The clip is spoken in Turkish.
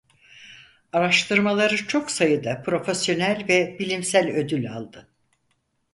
Araştırmaları çok sayıda profesyonel ve bilimsel ödül aldı.